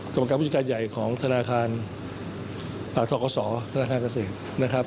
กรรมการผู้จัดการใหญ่ของธนาคารทกศธนาคารเกษตรนะครับ